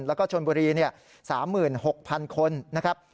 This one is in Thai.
แล้วก็ชนบุรี๓๖๐๐๐คนนะครับ